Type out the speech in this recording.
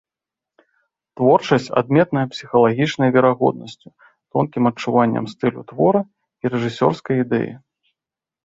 Творчасць адметная псіхалагічнай верагоднасцю, тонкім адчуваннем стылю твора і рэжысёрскай ідэі.